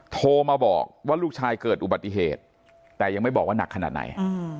โทรมาบอกว่าลูกชายเกิดอุบัติเหตุแต่ยังไม่บอกว่าหนักขนาดไหน